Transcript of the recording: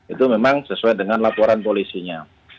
itu memang sesuai dengan laporan polisinya